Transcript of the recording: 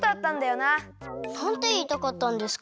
なんていいたかったんですか？